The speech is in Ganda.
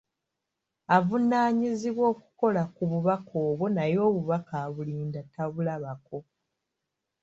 Avunaanyizibwa okukola ku bubaka obwo naye obubaka abulinda tabulabako.